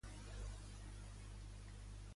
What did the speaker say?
Què diu que és el que vol la repressió?